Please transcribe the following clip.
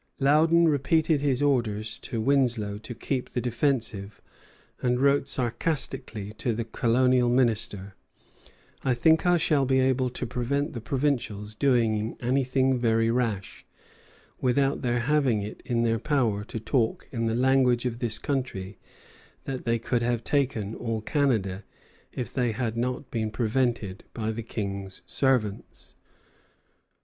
Loudon repeated his orders to Winslow to keep the defensive, and wrote sarcastically to the Colonial Minister: "I think I shall be able to prevent the provincials doing anything very rash, without their having it in their power to talk in the language of this country that they could have taken all Canada if they had not been prevented by the King's servants."